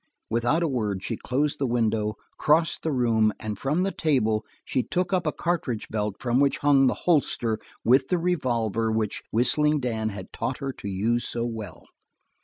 Without a word, she closed the window, crossed the room and from the table she took up a cartridge belt from which hung the holster with the revolver which Whistling Dan taught her to use so well.